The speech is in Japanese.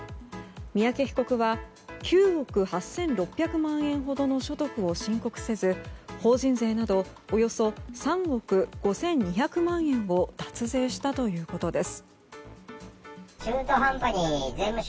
三宅被告は９億８６００万円ほどの所得を申告せず法人税などおよそ３億５２００万円を脱税したということです。